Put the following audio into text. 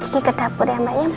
kiki ke dapur ya mbak